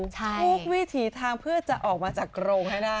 ทุกวิถีทางเพื่อจะออกมาจากโกรงให้ได้